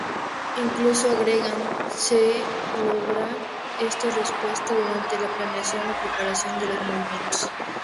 Incluso, agregan, se logra esta respuesta durante la planeación o preparación de los movimientos.